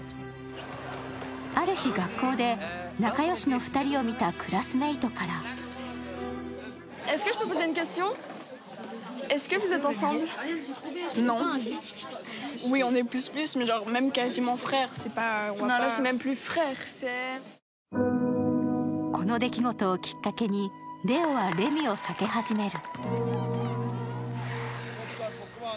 ある日、学校で仲よしの２人を見たクラスメイトからこの出来事をきっかけにレオはレミを避け始める。